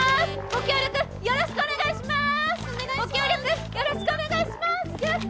ご協力よろしくお願いします！